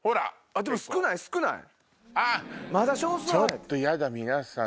ちょっとやだ皆さん